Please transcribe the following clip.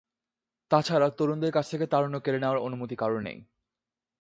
তাছাড়া, তরুণদের কাছ থেকে তারুণ্য কেড়ে নেওয়ার অনুমতি কারো নেই।